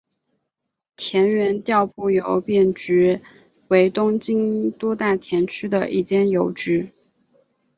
田园调布邮便局为东京都大田区的一间邮局。